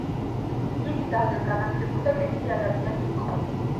იგი ძალზედ განათლებული და კეთილი ადამიანი იყო.